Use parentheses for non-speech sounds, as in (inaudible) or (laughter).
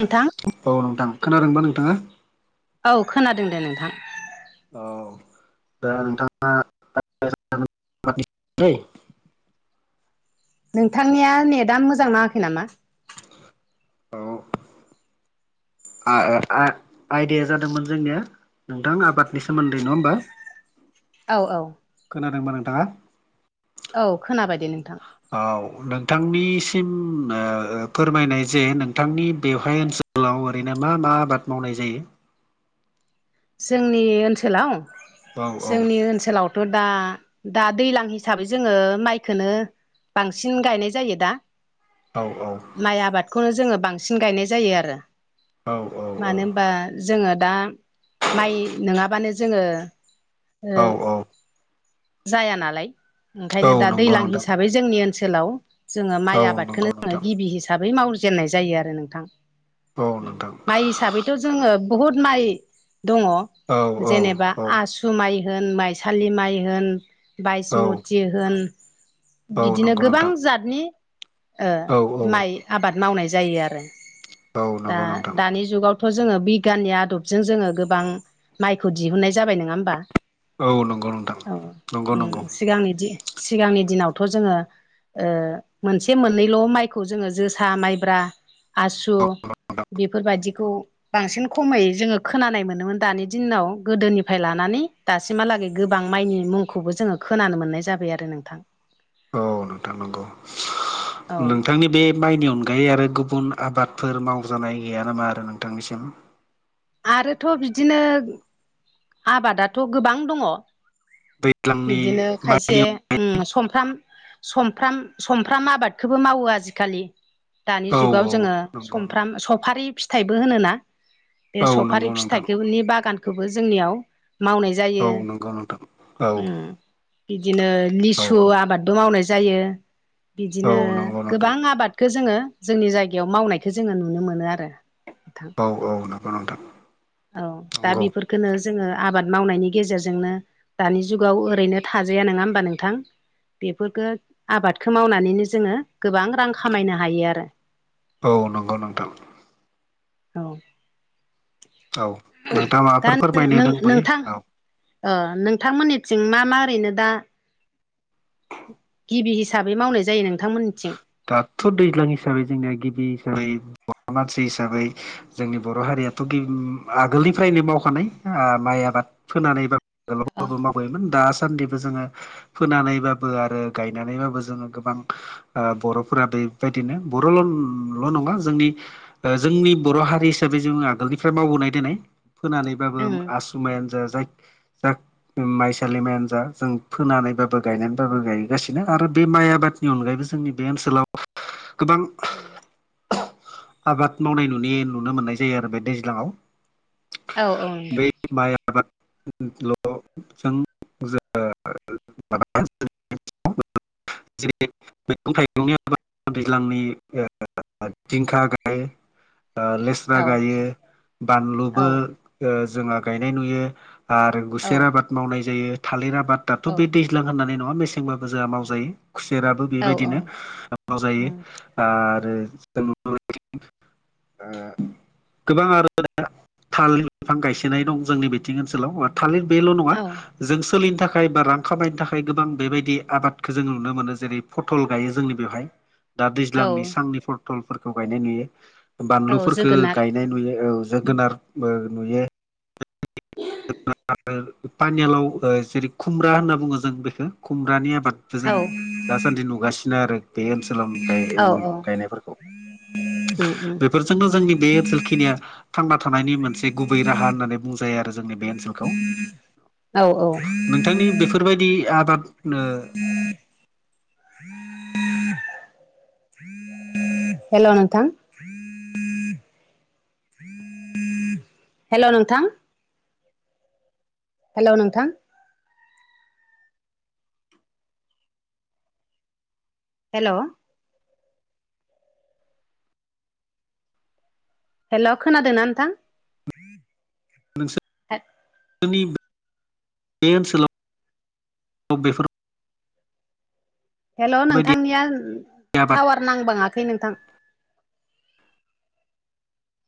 नोंथां औ नोंथां खोनादोंबा नोंथाङा? औ खोनादों दे नोंथां। औ दा नोंथाङा (unintelligible) नोंथांनिया नेदा मोजां नाङाखै नामा? आ ओ आ-आयदाया जादोंमोन जोंनिया नोंथां आबादनि सोमोन्दै नङा होमबा? औ औ। खोनादोंबा नोंथाङा? औ खोनाबाय दे नोंथां। औ नोंथांनिसिम ओ ओ फोरमायनाय जे नोंथांनि बेवहाय ओनसोल सोलाव ओरैनो मा मा आबाद मावनाय जायो? जोंनि ओनसोलाव औ औ जोंनि ओनसोलाव थ' दा दा दैलां हिसाबै जोङो माइखोनो बांसिन गायनाय जायो दा। औ औ। माइ आबादखौनो जोङो बांसिन गायनाय जायो आरो। औ मानो होनबा जोङो दा माइ नङाबानो जोङो औ औ जाया नालाय औ ओंखायनो दा नंगौ दैज्लां नोंथां हिसाबै जोंनि ओनसोलाव जोङो औ माइ नंगौ आबादखौनो जोङो नोंथां गिबि हिसाबै मावजेननाय जायो आरो नोंथां। औ नोंथां माइ हिसाबैथ' जोङो बहुद माइ दङ औ औ जेनेबा औ आसु सु माइ होन माइसालि माइ होन औ बायसमथि होन। औ बिदिनो नंगौ गोबां नोंथां जातनि ओ औ औ माइ आबाद मावनाय जायो आरो। औ दा नंगौ नोंथां दानि जुगावथ' जोङो बिगियाननि आदबजों जोङो गोबां माइखौ दिहुननाय जाबाय नङा होनबा औ नंगौ नोंथां औ। नंगौ नंगौ सिगांनि सिगांनि दिनावथ' जोङो ओ मोनसे मोननैल' माइखौ जोङो जोसा माइब्रा आसु औ नोंथां बेफोरबायदिखौ बांसिन खमै जोङो खोनानाय मो मोनो दानि दिनाव गोदोनिफ्राय लानानै दासिमहालागै गोबां माइनि मुंखौबो जोङो खोनानो मोननाय जाबाय आरो नोंथां। औ नोंथां नंगौ औ नोंथांनि बे माइनि अनगायै आरो गुबुन आबादफोर मावजानाय गैया नामा आरो नोंथांनिसिम? आरोथ' बिदिनो आबादाथ' गोबां दङ दैज्लांनि बिदिनो माइनि खायसे। सफ्राम सफ्राम सफ्राम आबादखौबो मावो आजिखालि। दानि औ जुगाव औ जोङो नंगौ सफ्राम सफारि फिथाइबो होनोना। बे औ सफारि नंगौ नोंथां फिथाइखौनि बागानखौबो जोंनियाव मावनाय जायो औ नंगौ नोंथां औ उम। बिदिनो औ लिसु आबादबो मावनाय जायो। औ बिदिनो नंगौ नोंथां गोबां आबादखौ जोङो जोंनि जायगायाव मावनायखौ जोङो नुनो मोनो आरो। औ औ नंगौ नोंथां औ दा नंगौ बेफोर गोनो जोङो आबाद मावनायनि गेजेरजोंनो दानि जुगाव ओरैनो थाजाया नङा हबा नोंथां? बेफोरखौ आबादखौ मावनानैनो जोङो गोबां रां खामायनो हायो आरो। औ। नंगौ नोंथां औ। औ नोंथाङा दा माबाफोर फोरमायनो दं बयो नों-नोंथां औ। नोंथांमोननिथिं मा मा ओरैनो दा गिबि हिसाबै मावनाय जायो नोंथांमोनथिं दाथ' दैज्लां हिसाबै जोंनिया गिबि हिसाबै बर मानसि हिसाबै जोंनि बर' हारियाथ' गि आगोलनिफ्रायनो मावखानाय माइ आबाद फोनानै बा ओं (inaudible) दासान्दिबो जोङो फोनानैबाबो आरो गायनानैबाबो जोङो गोबां। बर'फोरा बेबायदिनो बर'ल' नङा जोंनि जोंनि बर' हारि हिसाबै जों आगोलनिफ्राय मावबोनाय देनाय फोनानैबाबो औ आसुमायानो जाया जाय माइसालिमायानो जा जों फोनानैबाबो गायनानैबाबो गायगासिनो आरो बे माइ आबादनि अनगायैबो जोंनि बे ओनसोलाव गोबां उम। आबाद मावनाय नुनि नुनो मोननाय जायो आरो बे दैज्लाङाव। औ बै उम। माइ आबादल' जों (inaudible) (inaudible) मैगं थाइगंनि आ दैज्लांनि दिंखा गाइ लेस्रा औ गायो बानलुबो औ जोंहा गायनाय नुयो आरो औ गुसेर आबाद मावनाय जायो थालिर आबादाथ' औ बे दैज्लां होननानै नङा मेसेंबाबो जोंहा मावजायो खुसेराबो औ औ बेबायदिनो मावजायो। उम आरो (unintelligible) गोबां आरो थाल बिफां गायसोनाय दं जोंनि बिथिं ओनसोलाव। थालिर बेल' नङा औ जों सोलिनो था खाय बा रां खामायनो थाखाय गोबां बेबायदि आबादखौ जों नुनो मोनो जेरै फटल गायो जोंनि बेवहाय दा औ दैज्लांनि सांनि फटलफोरखौ गायनाय नुयो। औ बानलुफोरखो जोगोनार गायनाय नुयो औ जोगोनार नुयो। (inaudible) (unintelligible) पानिलाव जेरै खुमब्रा होनना बुङो जों बेखौ खुमब्रानि आबाद औ जों दासान्दि नुगासिनो आरो बे ओनसोलाव औ गायनायफोरखौ उम उम बेफोरजोंनो जोंनि बे ओनसोलखिनिया थांना थानायनि मोनसे गुबै राहा होननानै बुंजायो आरो जों। जोंनि बे ओनसोलखौ औ औ नोंथांनि बेफोरबायदि आबाद (inaudible) हेलौ नोंथां (inaudible) हेल' नोंथां हेल' नोंथां हेलौ हेल' खोनादोंना नोंथां? (unintelligible) बे ओनसोल बेफोर हेल' बेफोरबायदि नोंथांनिया आबाद टावार नांबाङाखै नोंथां।